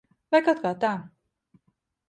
Vai kaut kā tā.